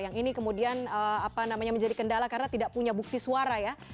yang ini kemudian menjadi kendala karena tidak punya bukti suara ya